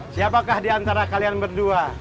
siapakah di antara kalian berdua